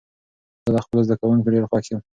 زه له خپلو زده کوونکو ډېر خوښ يم.